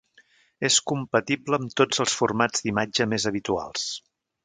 És compatible amb tots els formats d'imatge més habituals.